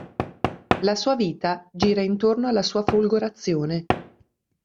La sua vita gira intorno alla sua folgorazione.